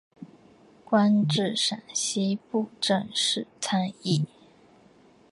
官至陕西布政使参议。